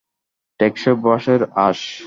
টেকসই বাঁশের আঁশ।